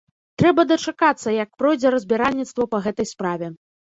Трэба дачакацца, як пройдзе разбіральніцтва па гэтай справе.